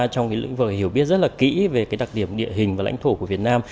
trong lĩnh vực hiểu biết rất là kỹ về đặc điểm địa hình và lãnh thổ của việt nam